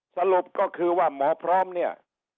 สรุปก็คือว่าหมอพร้อมเนี่ย